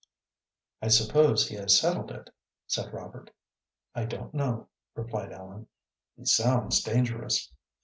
"I suppose he has settled it," said Robert. "I don't know," replied Ellen. "He sounds dangerous."